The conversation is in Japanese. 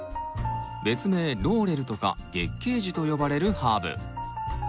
別名ローレルとか月けい樹と呼ばれるハーブ。